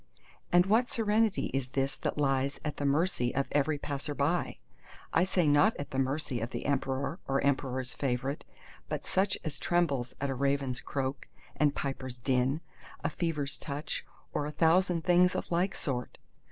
—And what serenity is this that lies at the mercy of every passer by? I say not at the mercy of the Emperor or Emperor's favorite, but such as trembles at a raven's croak and piper's din, a fever's touch or a thousand things of like sort!